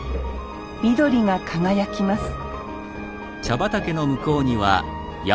緑が輝きます